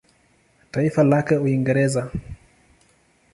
Taifa lake Uingereza.